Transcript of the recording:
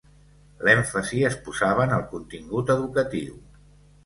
L'èmfasi es posava en el contingut educatiu.